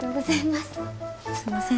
すんません